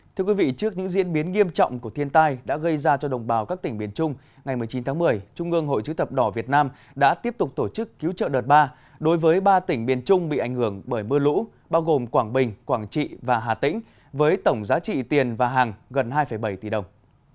thưa quý vị trước những diễn biến nghiêm trọng của thiên tai đã gây ra cho đồng bào các tỉnh biển trung ngày một mươi chín tháng một mươi trung ương hội chữ thập đỏ việt nam đã tiếp tục tổ chức cứu trợ đợt ba đối với ba tỉnh biển trung bị ảnh hưởng bởi mưa lũ bao gồm quảng bình quảng trị và hà tĩnh với tổng giá trị tiền và hàng gần hai bảy tỷ đồng